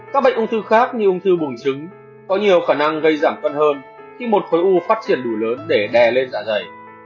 các bệnh ung thư khác như ung thư buồng trứng có nhiều khả năng gây giảm cân hơn khi một khối u phát triển đủ lớn để đè lên dạ dày